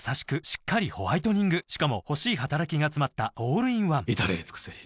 しっかりホワイトニングしかも欲しい働きがつまったオールインワン至れり尽せり